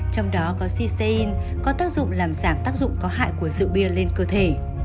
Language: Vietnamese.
trong đó có cisein có tác dụng làm giảm tác dụng có hại của sự bia lên cơ thể